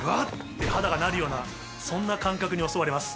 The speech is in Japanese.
て肌がなるようなそんな感覚に襲われます。